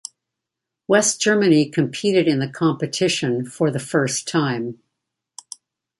West Germany competed in the competition for the first time.